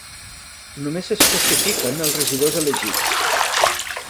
Només s'especifiquen els regidors elegits.